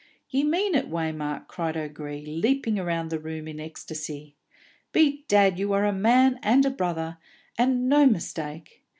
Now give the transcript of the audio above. "Ye mean it, Waymark!" cried O'Gree, leaping round the room in ecstasy. "Bedad, you are a man and a brother, and no mistake!